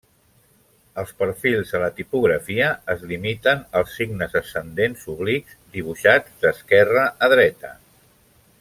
Els perfils a la tipografia es limiten als signes ascendents oblics dibuixats d'esquerra a dreta.